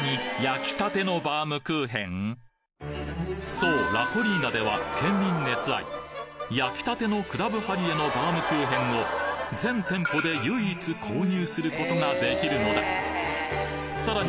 そうラコリーナでは県民熱愛焼きたてのクラブハリエのバームクーヘンを全店舗で唯一購入することができるのださらに